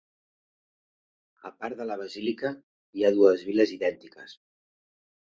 A part de la basílica hi ha dues viles idèntiques.